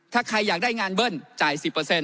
ถ้าใครอยากได้งานเบิ้ลจ่าย๑๐